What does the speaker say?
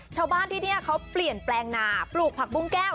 ชาวบ้านที่นี่เขาเปลี่ยนแปลงนาปลูกผักบุ้งแก้ว